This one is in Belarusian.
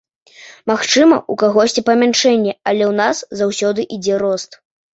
Магчыма, у кагосьці памяншэнне, але ў нас заўсёды ідзе рост.